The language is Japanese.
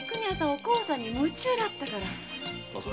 お甲さんに夢中だったから。